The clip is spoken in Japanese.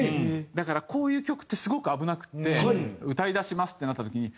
だからこういう曲ってすごく危なくて歌い出しますってなった時に。